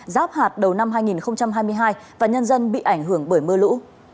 giáp hạt đầu năm hai nghìn hai mươi hai và nhân dân bị ảnh hưởng bởi mưa lũ